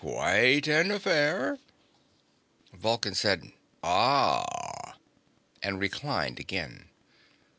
Quite an affair." Vulcan said: "Ah," and reclined again.